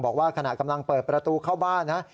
บอกว่าขณะกำลังเปิดประตูเข้าบ้านนะ